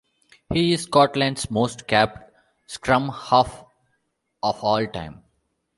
He is Scotland's most capped scrum-half of all time.